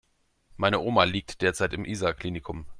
Meine Oma liegt derzeit im Isar Klinikum.